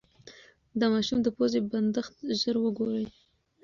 د ماشوم د پوزې بندښت ژر وګورئ.